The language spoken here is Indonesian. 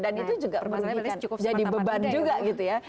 dan itu juga membuat jadi beban juga gitu ya